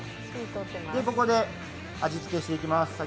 ここで味つけしていきます。